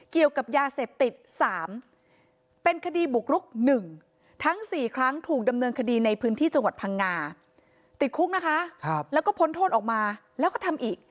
ติดคุกนะคะแล้วก็พ้นโทษออกมาแล้วก็ทำอีก